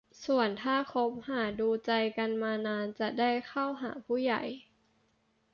ส่วนถ้าคบหาดูใจกันมานานจะได้เข้าหาผู้ใหญ่